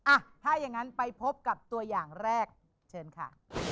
อ่ะถ้าอย่างนั้นไปพบกับตัวอย่างแรกเชิญค่ะ